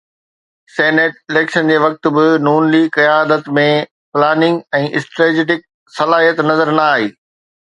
Senate election جي وقت به ن ليگ قيادت ۾ پلاننگ ۽ اسٽريٽجڪ صلاحيت نظر نه آئي.